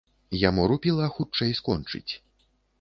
Яму рупіла хутчэй скончыць.